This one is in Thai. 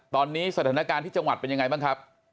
ตอนนี้สถานการณ์ที่จังหวัดเป็นยังไงบ้างครับ